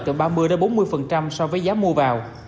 từ ba mươi bốn mươi so với giá mua vào